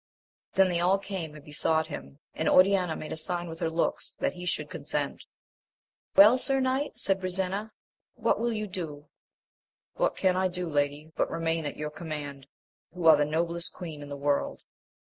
Then they all came and besought him, and Oriana made a sign with her looks that he should con sent. Well, sir knight, said Brisena, what will you do %— ^What can I do, lady, but remain at your com mand, who are the noblest queen in the world